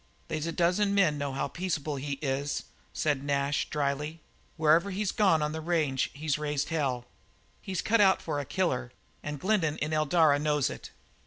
"They's a dozen men know how peaceable he is," said Nash drily. "Wherever he's gone on the range he's raised hell. He's cut out for a killer, and Glendin in Eldara knows it."